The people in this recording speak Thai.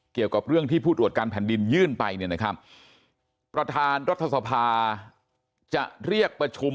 เกี่ยวกับเรื่องที่ผู้ตรวจการแผ่นดินยื่นไปเนี่ยนะครับประธานรัฐสภาจะเรียกประชุม